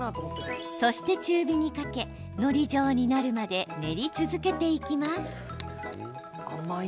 そして中火にかけ、のり状になるまで練り続けていきます。